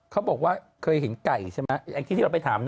เขาบอกว่าเคยเห็นไก่ใช่ไหมแองจี้ที่เราไปถาม